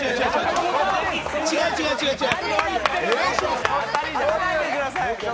違う違う違う違う。